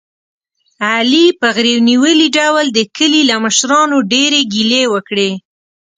علي په غرېو نیولي ډول د کلي له مشرانو ډېرې ګیلې وکړلې.